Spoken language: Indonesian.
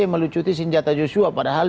melucuti senjata joshua padahal